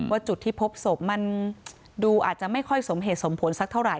จุดที่พบศพมันดูอาจจะไม่ค่อยสมเหตุสมผลสักเท่าไห